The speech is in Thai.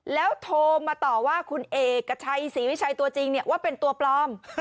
แล้วโทรมาต่อว่าคุณเอกชัยศรีวิชัยตัวจริงว่าเป็นตัวปลอม